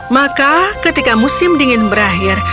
maka ketika musim dingin berakhir